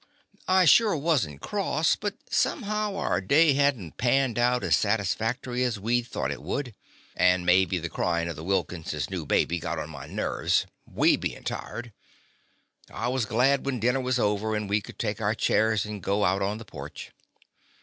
I sure was n't cross, but somehow our day had n't panned out as satisfactory as we 'd thought it would, and mebby the cryin' of the Wilkins' new baby got on my nerves, we being tired. I was glad when dinner was over and we could take our chairs and go out on the porch.